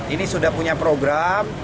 ini sudah punya program